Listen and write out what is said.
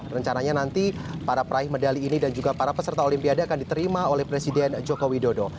rencananya nanti para peraih medali ini dan juga para peserta olimpiade akan diterima oleh presiden joko widodo